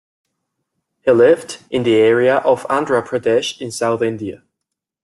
He lived in the area of Andhra Pradesh in South India.